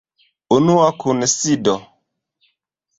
Unua Kunsido.